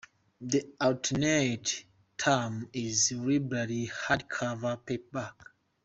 An alternate term is "Library Hardcover Paperback".